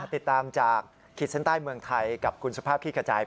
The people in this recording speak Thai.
ติดตามจากขีดเส้นใต้เมืองไทยกับคุณสุภาพขี้กระจาย